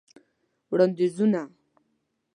وړاندیزونه :